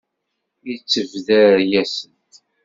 Yettebder, yas-d.